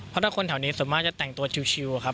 เพราะถ้าคนแถวนี้ส่วนมากจะแต่งตัวชิวครับ